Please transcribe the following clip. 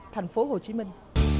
thành phố hồ chí minh